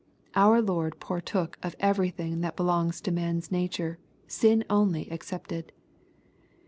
Our Lord partook of eveiything that belongs to man's nature, sin only ex cepted.